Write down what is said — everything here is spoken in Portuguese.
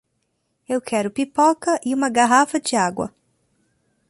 Eu quero pipoca e uma garrafa de água!